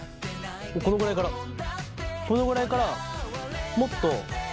このぐらいからこのぐらいからもっと。